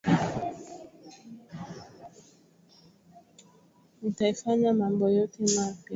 Nitaifanya mambo yote mapya, tazama natenda